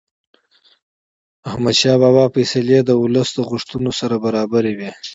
احمدشاه بابا فیصلې د ولس د غوښتنو سره برابرې وې.